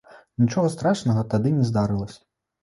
Нічога страшнага тады не здарылася.